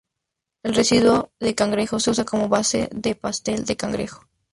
El residuo de cangrejo se usa como base de pastel de cangrejo.